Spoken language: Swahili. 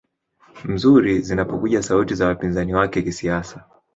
mzuri zinapokuja sauti za wapinzani wake kisiasa